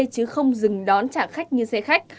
chứ không dừng đón trả khách như xe khách